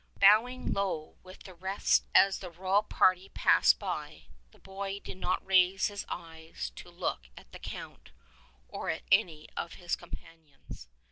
Bowing low with the rest as the royal party passed by, the boy did not raise his eyes to look at the Count or at any of his companions.